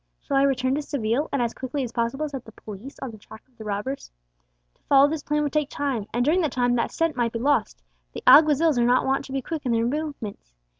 Shall I return to Seville, and as quickly as possible set the police on the track of the robbers? To follow this plan would take time, and during that time the scent might be lost; the alguazils are not wont to be quick in their movements.